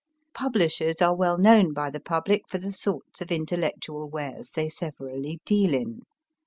Publishers are well known by the public for the sorts of intellectual wares they severally deal in.